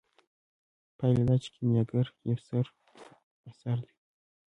پایله دا چې کیمیاګر یو ستر اثر دی.